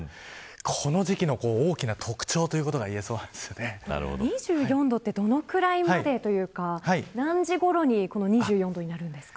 この時期の大きな特徴ということが２４度ってどのぐらいまでというか何時ごろに２４度になるんですか。